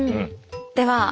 では